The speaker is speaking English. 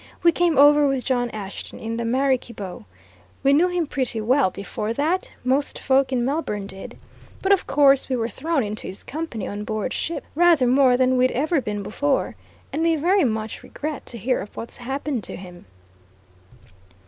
"We came over with John Ashton in the Maraquibo. We knew him pretty well before that most folk in Melbourne did. But of course, we were thrown into his company on board ship rather more than we'd ever been before. And we very much regret to hear of what's happened to him."